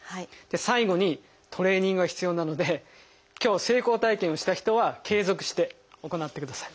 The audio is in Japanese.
最後にトレーニングは必要なので今日成功体験をした人は継続して行ってください。